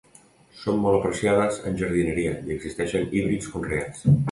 Són molt apreciades en jardineria i existeixen híbrids conreats.